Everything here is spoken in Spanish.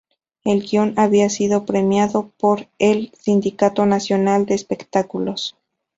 El guion había sido premiado por el Sindicato Nacional de Espectáculos.